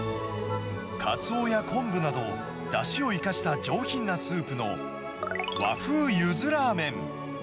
カツオや昆布など、だしを生かした上品なスープの和風柚子柳麺。